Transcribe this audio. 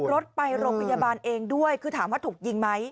รถไปโรงพยาบาลเองด้วยคือถามว่าถูกยิงไหม